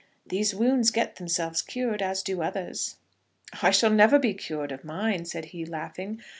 These wounds get themselves cured as do others." "I shall never be cured of mine," said he, laughing.